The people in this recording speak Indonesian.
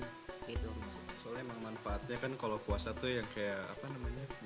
soalnya emang manfaatnya kan kalau puasa tuh yang kayak apa namanya